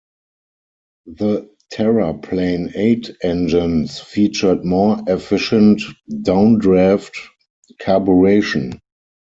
The Terraplane Eight engines featured more efficient downdraft carburetion.